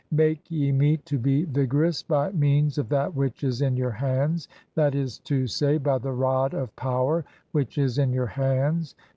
Make ye me to be "vigorous by means of that which is in your hands, that is to "say, by the rod of power which is (20) in your hands.